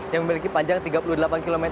yang memiliki panjang tiga puluh delapan km